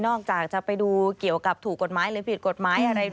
ออกจากจะไปดูเกี่ยวกับถูกกฎหมายหรือผิดกฎหมายอะไร